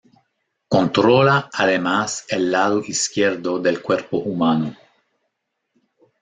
Controla, además, el lado izquierdo del cuerpo humano.